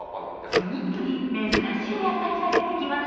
次々珍しい野菜が出てきます。